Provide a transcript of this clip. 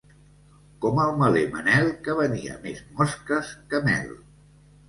Com el meler Manel, que venia més mosques que mel.